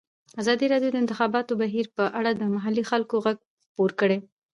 ازادي راډیو د د انتخاباتو بهیر په اړه د محلي خلکو غږ خپور کړی.